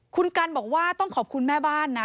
คุณกันบอกว่าต้องขอบคุณแม่บ้านนะ